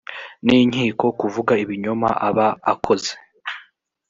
n inkiko kuvuga ibinyoma aba akoze